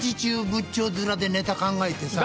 仏頂面でネタ考えてさ。